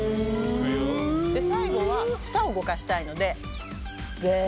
最後は舌を動かしたいので「べー」。